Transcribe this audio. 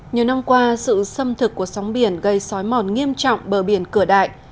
nhiều năm qua sự xâm thực của sóng biển gây sói mòn nghiêm trọng bờ biển cửa đại